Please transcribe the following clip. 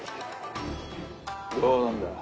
どうなんだ？